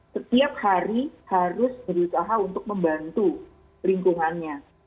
setiap hari harus berusaha untuk membantu lingkungannya